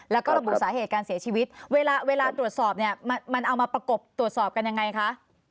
แล้วก็ระบุสาเหตุการเสียชีวิตเวลาตรวจสอบเนี่ยมันเอามาประกบตรวจสอบกันยังไงคะ